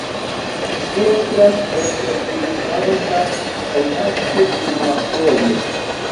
Ŝi estas eksedziniĝanta kaj naskis unuafoje.